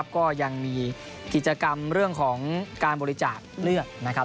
ก็ยังมีกิจกรรมเรื่องของการบริจาคเลือดนะครับ